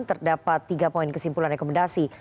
terdapat tiga poin kesimpulan rekomendasi